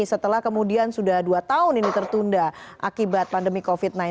setelah kemudian sudah dua tahun ini tertunda akibat pandemi covid sembilan belas